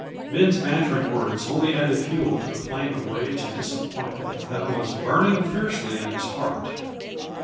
Ben's bantering words only added fuel to the flame of rage and disappointment that was burning fiercely in his heart.